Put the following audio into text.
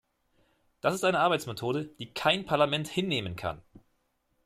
Das ist eine Arbeitsmethode, die kein Parlament hinnehmen kann!